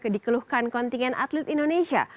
dikeluhkan kontingen atlet indonesia